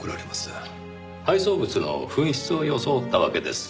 配送物の紛失を装ったわけです。